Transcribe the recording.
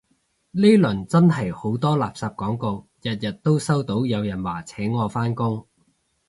呢輪真係好多垃圾廣告，日日都收到有人話請我返工